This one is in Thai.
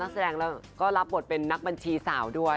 แสดงแล้วก็รับบทเป็นนักบัญชีสาวด้วย